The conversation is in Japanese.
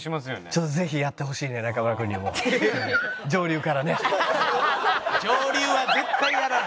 ちょっとぜひやってほしいね中村君にも。上流は絶対やらん。